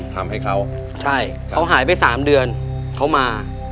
ทำให้เขาใช่เขาหายไป๓เดือนเขามา